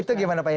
itu gimana pak ya